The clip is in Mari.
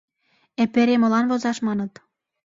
«Эпере молан возаш?» — маныт.